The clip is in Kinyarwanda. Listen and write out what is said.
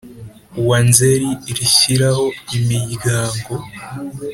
wa Nzeri Rishyiraho Imiryango